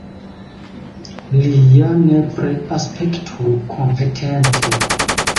Li ja nepre aspektu kompetente.